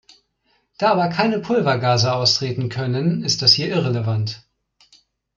Da aber keine Pulvergase austreten können ist das hier irrelevant.